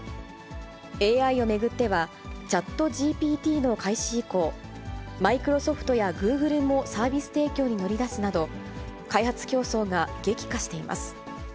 ＡＩを巡っては、チャットＧＰＴの開始以降、マイクロソフトやグーグルもサービス提供に乗り出すなど、開発競争が激化しています。